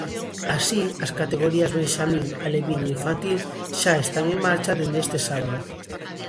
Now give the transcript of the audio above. Así as categorías benxamín, alevín e infantil xa están en marcha dende este sábado.